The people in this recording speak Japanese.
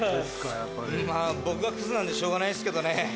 まぁ僕がクズなんでしょうがないですけどね。